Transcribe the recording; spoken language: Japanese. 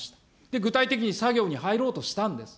具体的に作業に入ろうとしたんです。